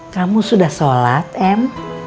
kamu sudah sholat em